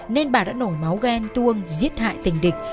nên bà đã nổi máu ghen tuông giết hại tình địch